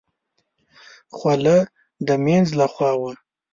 خوله د مينځ له خوا وه.